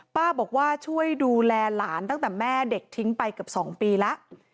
ป้าบอกว่าช่วยดูแลหลานตั้งแต่แม่เด็กทิ้งไปเกือบ๒ปีแล้ว